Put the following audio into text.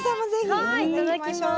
はいいただきます。